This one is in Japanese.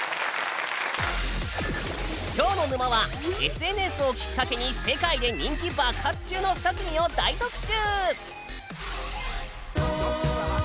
ＳＮＳをきっかけに世界で人気爆発中の２組を大特集！